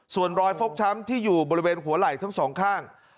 ส่วนรอยฟกช้ำที่อยู่บริเวณหัวไหล่ทั้งสองข้าง